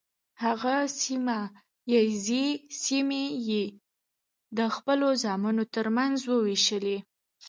هغه سیمه ییزې سیمې یې د خپلو زامنو تر منځ وویشلې.